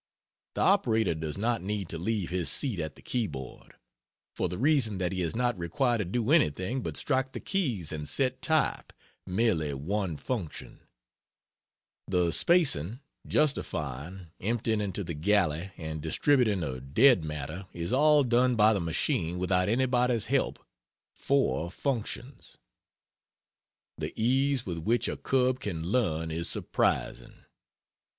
The operator does not need to leave his seat at the keyboard; for the reason that he is not required to do anything but strike the keys and set type merely one function; the spacing, justifying, emptying into the galley, and distributing of dead matter is all done by the machine without anybody's help four functions. The ease with which a cub can learn is surprising.